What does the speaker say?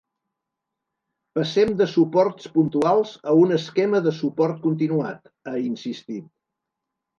“Passem de suports puntuals a un esquema de suport continuat”, ha insistit.